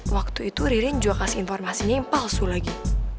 waktu itu ririn juga kasih informasinya yang palsu lagi